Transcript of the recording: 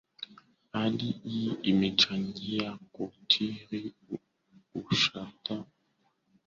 Hali hii imechangia kuathiri ustawi wa jamii na maendeleo kwa ujumla